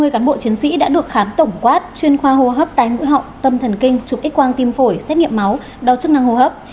một trăm hai mươi cán bộ chiến sĩ đã được khám tổng quát chuyên khoa hô hấp tái ngũi họng tâm thần kinh chụp x quang tim phổi xét nghiệm máu đo chức năng hô hấp